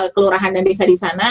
kelurahan dan desa di sana